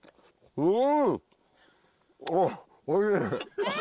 うん！